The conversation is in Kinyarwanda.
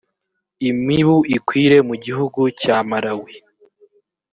imibu ikwire mu gihugu cya marawi